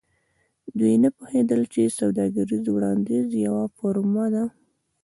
دوی نه پوهیدل چې سوداګریز وړاندیز یوه فورمه ده